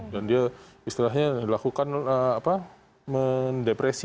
dan dia istilahnya dilakukan mendepresi